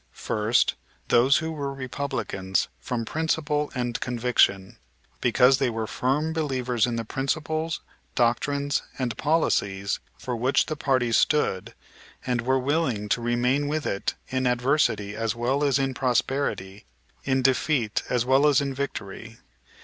First, those who were Republicans from principle and conviction because they were firm believers in the principles, doctrines, and policies for which the party stood, and were willing to remain with it in adversity as well as in prosperity, in defeat as well as in victory.